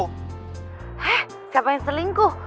eh siapa yang selingkuh